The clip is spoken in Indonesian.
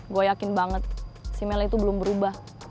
gue yakin banget si male itu belum berubah